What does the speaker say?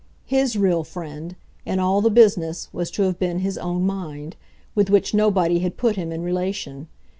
HIS real friend, in all the business, was to have been his own mind, with which nobody had put him in relation.